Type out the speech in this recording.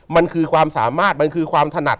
มันคือความสามารถมันคือความถนัด